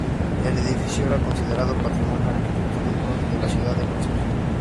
El edificio era considerado Patrimonio Arquitectónico de la ciudad de Concepción.